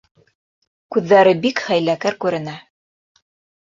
Күҙҙәре бик хәйләкәр күренә.